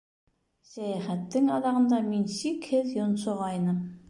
Сәйәхәттең аҙағында мин сикһеҙ йонсоғайным